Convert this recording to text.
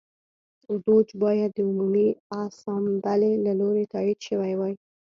دوج باید د عمومي اسامبلې له لوري تایید شوی وای